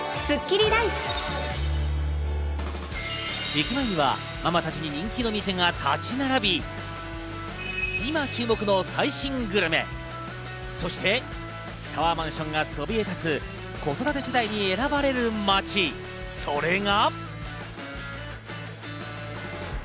駅前にはママたちに人気の店が立ち並び、今注目の最新グルメ、そして、タワーマンションがそびえ立つ子育て世代に選ばれる街、それが。